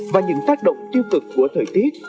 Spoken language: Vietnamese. và những tác động tiêu cực của thời tiết